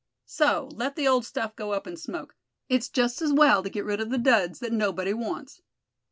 So, let the old stuff go up in smoke. It's just as well to get rid of the duds that nobody wants."